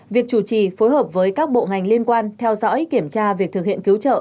việc chủ trì phối hợp với các bộ ngành liên quan theo dõi kiểm tra việc thực hiện cứu trợ